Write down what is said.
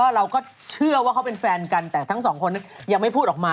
เราก็เชื่อว่าเขาเป็นแฟนกันแต่ทั้งสองคนยังไม่พูดออกมา